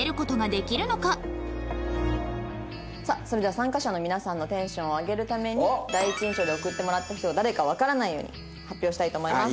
それでは参加者の皆さんのテンションを上げるために第一印象で送ったもらった人が誰かわからないように発表したいと思います。